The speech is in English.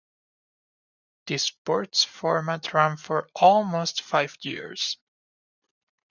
The sports format ran for almost five years.